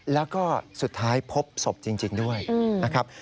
แล้วก็สุดท้ายพบศพจริงด้วยนะครับ